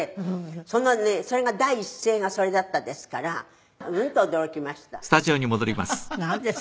「そのね第一声がそれだったですからうんと驚きました」